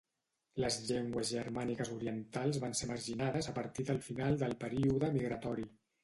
Les llengües germàniques orientals van ser marginades a partir del final del període migratori.